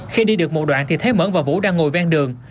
khi đi được một đoạn thì thấy mẫn và vũ đang ngồi ven đường